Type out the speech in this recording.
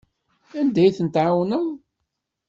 Anda ay ten-tɛawneḍ?